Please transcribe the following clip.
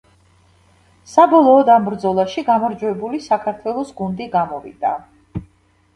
საბოლოოდ ამ ბრძოლაში გამარჯვებული საქართველოს გუნდი გამოვიდა.